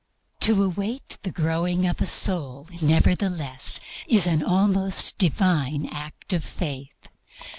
To await the growing of a soul, nevertheless, is an almost Divine act of faith.